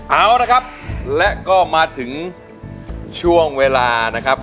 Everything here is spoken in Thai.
เอาละครับและก็มาถึงช่วงเวลานะครับ